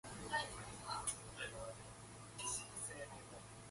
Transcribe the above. It was released through Die Trying Records, Yorba Linda, California independent label.